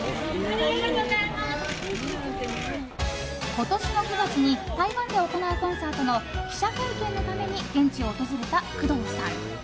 今年の９月に台湾で行うコンサートの記者会見のために現地を訪れた工藤さん。